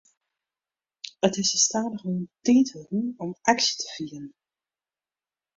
It is sa stadichoan tiid wurden om aksje te fieren.